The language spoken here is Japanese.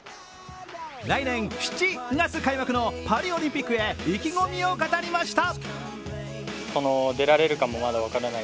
来年７月開幕のパリオリンピックへ意気込みを語りました。